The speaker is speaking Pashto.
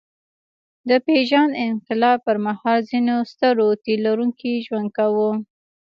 د پېژاند انقلاب پر مهال ځینو سترو تيلرونکي ژوند کاوه.